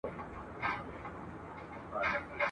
زورور غل په خپل کلي کي غلا نه کوي !.